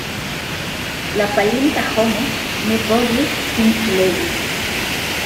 La falinta homo ne povis sin levi.